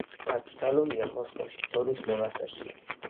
დაკრძალულია მოსკოვში, დონის მონასტერში.